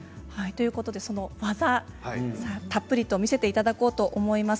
その技をたっぷり見せていただこうと思います。